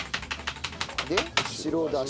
で白だし。